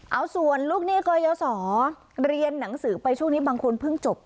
เอาส่วนลูกหนี้กรยศเรียนหนังสือไปช่วงนี้บางคนเพิ่งจบ